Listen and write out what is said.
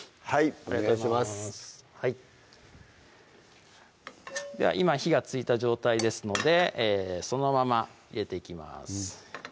ありがとうございますでは今火がついた状態ですのでそのまま入れていきます